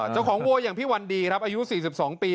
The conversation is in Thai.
เจ้าของวัวอย่างพี่วันดีครับอายุสี่สิบสองปี